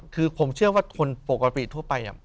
คือผมเชื่อว่าคนปกติทั่วไป